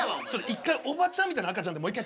一回おばちゃんみたいな赤ちゃんでもう一回やってみよう。